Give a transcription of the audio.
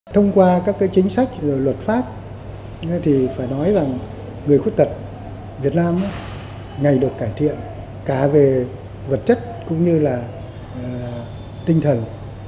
thông qua các chính sách rồi luật pháp thì phải nói là người khuyết tật việt nam ngày được cải thiện cả về vật chất cũng như là tinh thần